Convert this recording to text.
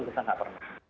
itu bisa nggak pernah